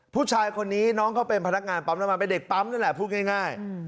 ผู้ชายคนนี้น้องเขาเป็นพนักงานปั๊มน้ำมันเป็นเด็กปั๊มนั่นแหละพูดง่าย